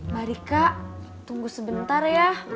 mbak rika tunggu sebentar ya